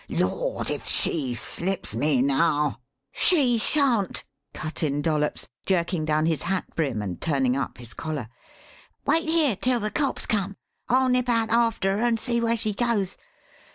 "Lord! if she slips me now " "She shan't!" cut in Dollops, jerking down his hat brim and turning up his collar. "Wait here till the cops come. I'll nip out after her and see where she goes.